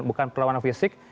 bukan perlawanan fisik